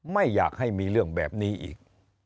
ไม่อยากให้มีเรื่องแบบนี้อีก